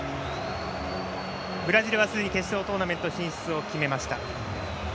ブラジルはすでに決勝トーナメント進出を決めました。